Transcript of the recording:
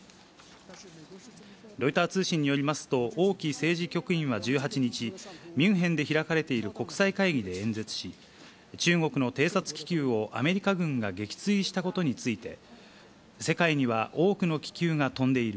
ロイター通信によりますと、王毅政治局員は１８日、ミュンヘンで開かれている国際会議で演説し、中国の偵察気球をアメリカ軍が撃墜したことについて、世界には多くの気球が飛んでいる。